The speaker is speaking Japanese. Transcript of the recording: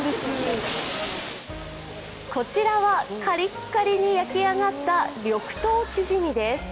こちらはカリッカリに焼き揚がった緑豆チジミです。